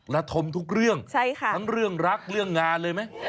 และทมทุกเรื่องทั้งเรื่องรักเรื่องงานเลยไหม